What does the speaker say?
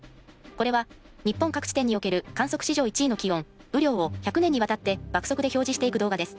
これは日本各地点における観測史上１位の気温・雨量を１００年にわたって爆速で表示していく動画です。